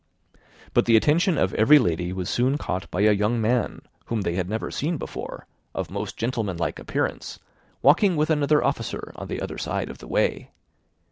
But the attention of every lady was soon caught by a young man, whom they had never seen before, of most gentlemanlike appearance, walking with an officer on the other side of the way.